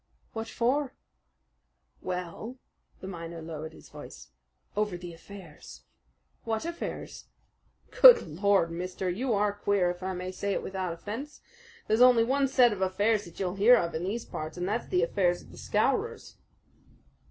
"What for?" "Well," the miner lowered his voice "over the affairs." "What affairs?" "Good Lord, mister! you are queer, if I must say it without offense. There's only one set of affairs that you'll hear of in these parts, and that's the affairs of the Scowrers."